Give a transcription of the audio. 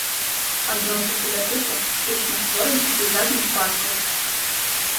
Адносіцца да тыпу штучна створаных пейзажных паркаў.